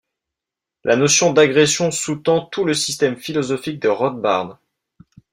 La notion d'agression sous-tend tout le système philosophique de Rothbard.